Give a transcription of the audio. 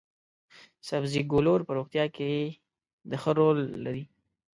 سبزي ګولور په روغتیا کې د ښه رول لري.